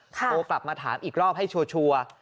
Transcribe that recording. โทรกลับมาถามอีกรอบให้ชัวร์